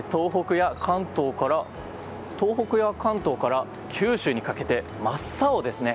東北や関東から九州にかけて真っ青ですね。